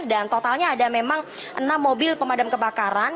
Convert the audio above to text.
dan totalnya ada memang enam mobil pemadam kebakaran